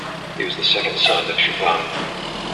He was the second son of Chupan.